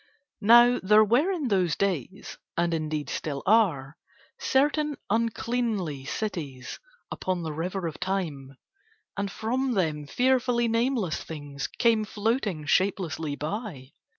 Now there were in those days, and indeed still are, certain uncleanly cities upon the river of Time; and from them fearfully nameless things came floating shapelessly by.